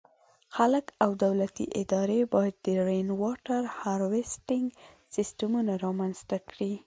خلک او دولتي ادارې باید د “Rainwater Harvesting” سیسټمونه رامنځته کړي.